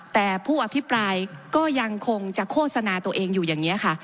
แต่ผู้อภิปรายก็ยังคงจะโฆษณาตัวเองอยู่อย่างนี้ค่ะ